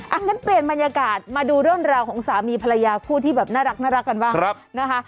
อันนี้เปลี่ยนบรรยากาศมาดูเรื่องราวของผู้ศาลีภรรณาพอแบบนรักว่าง